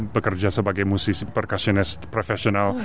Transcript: bekerja sebagai musisi percasioners profesional